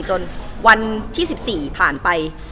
จนวันที่๑๔ผ่านไป